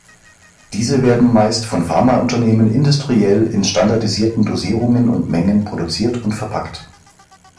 Diese werden meist von Pharmaunternehmen industriell in standardisierten Dosierungen und Mengen produziert und verpackt.